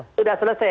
ya sudah selesai